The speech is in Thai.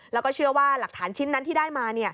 แล้วก็เชื่อว่าหลักฐานชิ้นนั้นที่ได้มา